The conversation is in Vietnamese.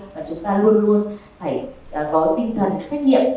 và chúng ta luôn luôn phải có tinh thần trách nhiệm